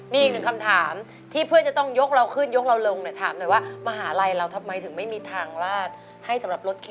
มีอีกหนึ่งคำถามที่เพื่อนจะต้องยกเราขึ้นยกเราลงเนี่ยถามหน่อยว่ามหาลัยเราทำไมถึงไม่มีทางลาดให้สำหรับรถเข็